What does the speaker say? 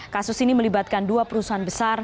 kasus ini melibatkan dua perusahaan besar